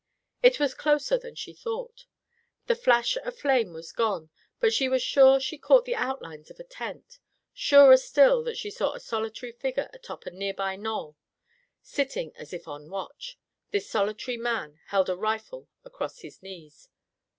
It was closer than she thought. The flash of flame was gone, but she was sure she caught the outlines of a tent; surer still that she saw a solitary figure atop a nearby knoll. Sitting as if on watch, this solitary man held a rifle across his knees.